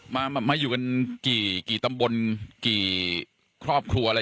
มามาอยู่กันกี่ตำบลกี่ครอบครัวอะไร